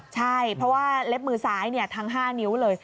ใช่เพราะว่าเล็บมือซ้ายทั้ง๕นิ้วเลย